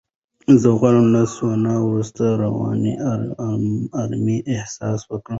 زه غواړم له سونا وروسته رواني آرامۍ احساس کړم.